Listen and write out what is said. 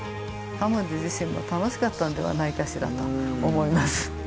嘉門次自身も楽しかったんではないかしらと思います